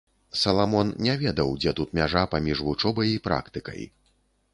Саламон не ведаў, дзе тут мяжа паміж вучобай і практыкай.